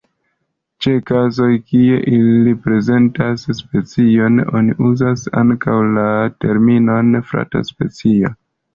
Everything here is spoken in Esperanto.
Ĉe kazoj kie ili reprezentas speciojn, oni uzas ankaŭ la terminon frata specio.